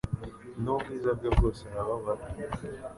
N'ubwiza bwe bwose arababara